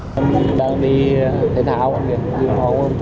chúc kiểm tra nồng độ cồn